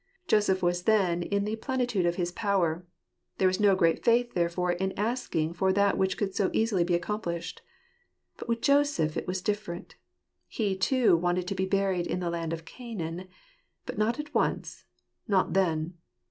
Joseph was then in the plenitude of his power. There was no great faith therefore in asking for that which could so easily be accomplished. But with Joseph it was different He too wanted to be buried in the land of Canaan ; but not at once— not then